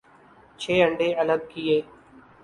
چھ انڈے الگ کئے ۔